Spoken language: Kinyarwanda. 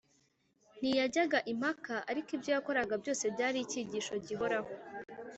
. Ntiyajyaga impaka, ariko ibyo yakoraga byose byari icyigisho gihoraho